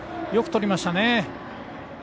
よくとりましたね。